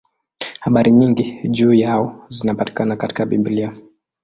Habari nyingi juu yao zinapatikana katika Biblia.